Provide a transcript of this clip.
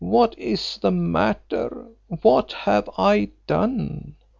What is the matter? What have I done?"